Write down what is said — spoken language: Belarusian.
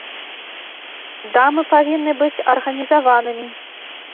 Дамы павінны быць арганізаванымі.